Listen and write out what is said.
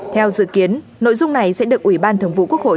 theo dự kiến nội dung này sẽ được ủy ban thường vụ quốc hội